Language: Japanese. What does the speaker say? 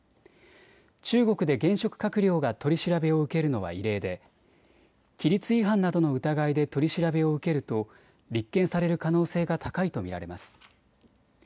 中国で現職閣僚が取り調べを受けるのは異例で規律違反などの疑いで取り調べを受けると立件される可能性が高いと見られます。